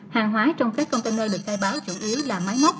hàng hóa trong các container được khai báo chủ yếu là máy móc